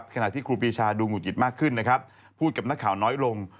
ขณะที่ครูปีชาดูหุดหงิดมากขึ้นนะครับพูดกับนักข่าวน้อยลง